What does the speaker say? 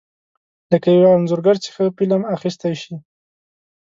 لکه یو انځورګر چې ښه فلم اخیستی شي.